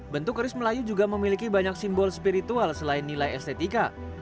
bentuk keris melayu juga memiliki banyak simbol spiritual selain nilai estetika